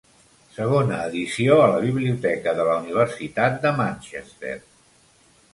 Segona edició a la biblioteca de la Universitat de Manchester.